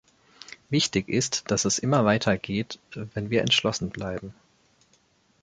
Wichtig ist, dass es immer weiter geht, wenn wir entschlossen bleiben.